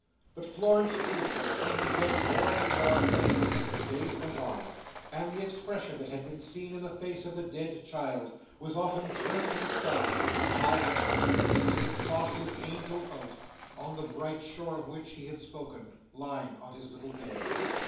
But Florence drooped and hung her head more and more plainly, as the days went on; and the expression that had been seen in the face of the dead child, was often turned to the sky from her high window, as if it sought his angel out, on the bright shore of which he had spoken: lying on his little bed.